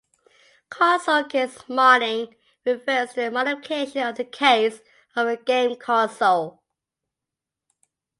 "Console case modding" refers to the modification of the case of a game console.